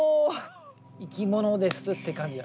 生き物ですって感じが。